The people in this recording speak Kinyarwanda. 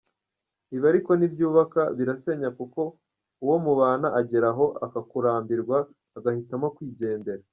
Ibi ariko ntibyubaka birasenya kuko uwo mubana ageraho akakurambirwa agahitamo kwigendera.